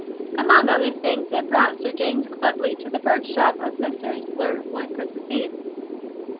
Among other things it brought Sir James Clubley to the bird shop of Messrs. Blurt one Christmas eve.